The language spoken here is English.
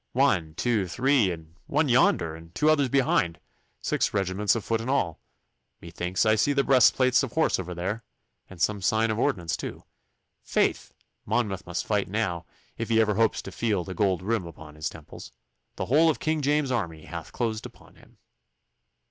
'One, two, three, and one yonder, and two others behind six regiments of foot in all. Methinks I see the breastplates of horse over there, and some sign of ordnance too. Faith! Monmouth must fight now, if he ever hopes to feel the gold rim upon his temples. The whole of King James's army hath closed upon him.